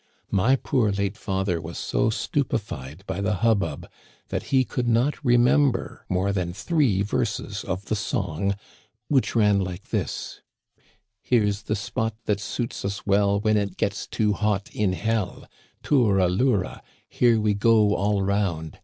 My poor late father was so stupefied by the hubbub that he could not remember more than three verses of the song, which ran like this :" Here's the spot that suits us well When it gets too hot in hell — Toura loura ; Here we go all round.